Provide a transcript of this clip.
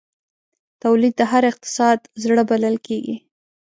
تولید د هر اقتصاد زړه بلل کېږي.